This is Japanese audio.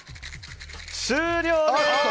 終了です。